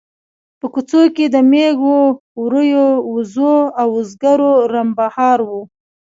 په کوڅو کې د مېږو، وريو، وزو او وزګړو رمبهار و.